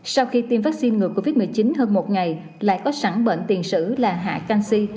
sau khi tiêm vaccine ngừa covid một mươi chín hơn một ngày lại có sẵn bệnh tiền sử là hạ canxi